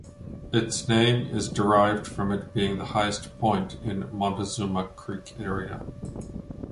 Its name is derived from it being the highest point in Montezuma Creek area.